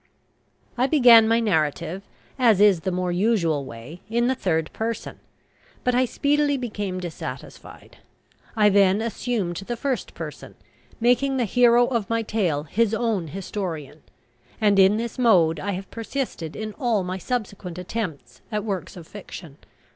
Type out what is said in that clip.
I began my narrative, as is the more usual way, in the third person. But I speedily became dissatisfied. I then assumed the first person, making the hero of my tale his own historian; and in this mode I have persisted in all my subsequent attempts at works of fiction.